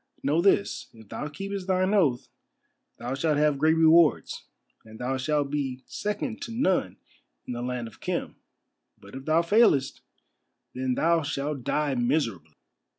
"Know this, if thou keepest thine oath thou shalt have great rewards, and thou shalt be second to none in the land of Khem, but if thou failest, then thou shalt die miserably."